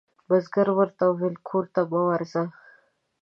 بزګر ورته وویل کور ته مه ورځه.